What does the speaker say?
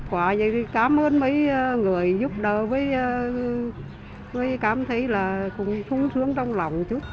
qua vậy thì cảm ơn mấy người giúp đỡ với cảm thấy là cũng thú sướng trong lòng chút